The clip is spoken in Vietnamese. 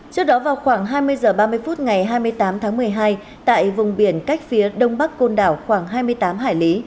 trước đó vào khoảng hai mươi h ba mươi phút ngày hai mươi tám tháng một mươi hai tại vùng biển cách phía đông bắc côn đảo khoảng hai mươi tám hải lý